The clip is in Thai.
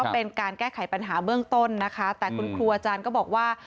เป็นการแก้ไขปัญหาเบื้องต้นนะคะแต่คุณครูอาจารย์ก็บอกว่า